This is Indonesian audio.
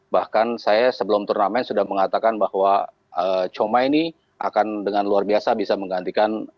bahkan saya sebelum turnamen sudah mengatakan bahwa choma ini akan dengan luar biasa bisa menggantikan